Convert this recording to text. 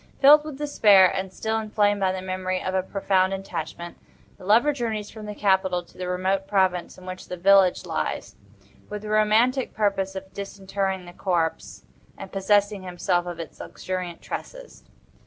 Filled with despair, and still inflamed by the memory of a profound attachment, the lover journeys from the capital to the remote province in which the village lies, with the romantic purpose of disinterring the corpse, and possessing himself of its luxuriant tresses.